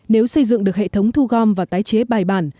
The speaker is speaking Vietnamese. nếu xây dựng được hệ thống thu gom và tái chế bài bản